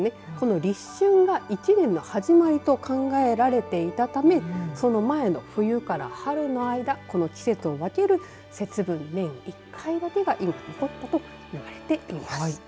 立春が１年の始まりと考えられていたためその前の冬から春の間この季節を分ける節分が年１回だけが残ったといわれています。